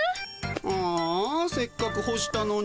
ああせっかく干したのに。